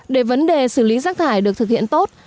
để vấn đề xử lý rác thải được thực hiện tốt